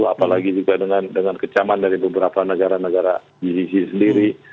apalagi juga dengan kecaman dari beberapa negara negara gcc sendiri